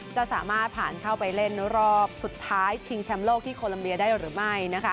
จะสามารถผ่านเข้าไปเล่นรอบสุดท้ายชิงแชมป์โลกที่โคลัมเบียได้หรือไม่